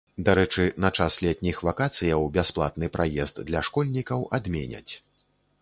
Дарэчы, на час летніх вакацыяў бясплатны праезд для школьнікаў адменяць.